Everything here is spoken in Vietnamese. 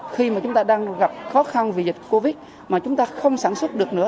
khi mà chúng ta đang gặp khó khăn vì dịch covid mà chúng ta không sản xuất được nữa